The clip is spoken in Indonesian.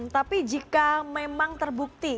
tapi jika memang terbukti